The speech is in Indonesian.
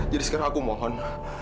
jadi sekarang aku mohon